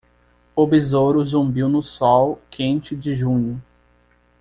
O besouro zumbiu no sol quente de junho.